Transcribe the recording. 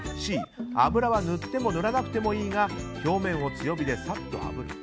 Ｃ、油は塗っても塗らなくてもいいが表面を強火でサッとあぶる。